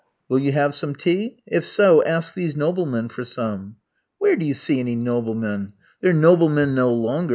"Will you have some tea? If so, ask these noblemen for some." "Where do you see any noblemen? They're noblemen no longer.